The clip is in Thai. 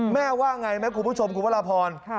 แม่ว่าไงไหมคุณผู้ชมคุณพระราพร